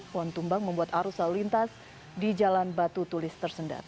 pohon tumbang membuat arus lalu lintas di jalan batu tulis tersendat